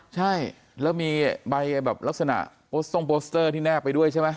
ใช่แล้วมีใบแบบลักษณะโส่งโปสเตอร์ที่แนบไปด้วยใช่ไหม